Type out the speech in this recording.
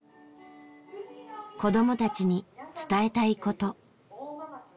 子どもたちに伝えたいこと。